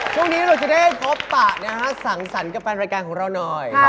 ช่วงนี้เราจะได้พบปะนะฮะสั่งสรรค์กับแฟนรายการของเราหน่อย